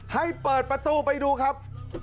ให้เปิดประตูไปดูครับ